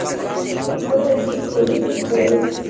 Escuela de Ciencias Psicológicas y Pedagógicas.